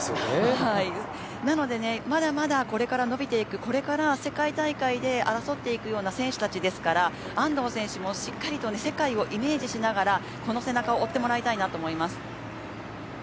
はい、なのでまだまだこれから伸びていくこれから世界大会で争っていくような選手ですから安藤選手もしっかりと世界をイメージしながらこの背中を追ってもらいたいなと思います。